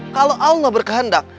kalau allah berkehendak